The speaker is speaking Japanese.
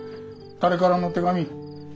誰からの手紙？